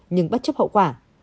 nhưng bất chấp hậu quả